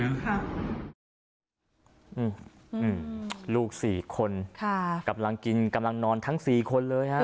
อืมลูกสี่คนค่ะกำลังกินกำลังนอนทั้งสี่คนเลยฮะ